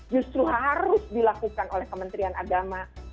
justru harus dilakukan oleh kementerian agama